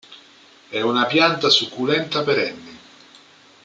È una pianta succulenta perenne.